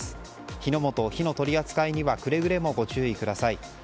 火の元や火の取り扱いにはくれぐれもご注意ください。